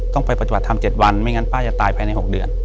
ต้องไปปฏิบัติธรรม๗วันไม่งั้นป้าจะตายภายใน๖เดือน